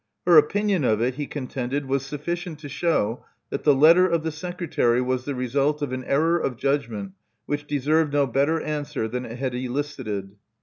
Her opinion of it, he contended, was sufl&cient to show that the letter of the secretary was the result of an error of judgment which deserved no better answer than it had elicited.